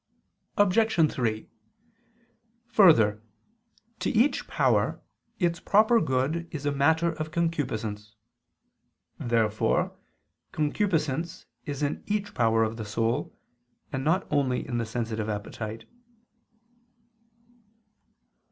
Obj. 3: Further, to each power, its proper good is a matter of concupiscence. Therefore concupiscence is in each power of the soul, and not only in the sensitive appetite.